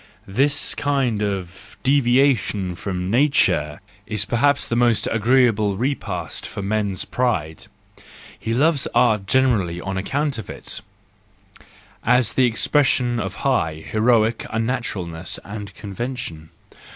This kind of deviation from nature is perhaps the most agreeable jepast for man's pride: he loves art generally on account of it, as the expression of high, heroic unnatural¬ ness and convention.